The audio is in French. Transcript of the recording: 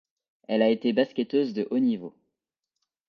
Elle a été basketteuse de haut niveau.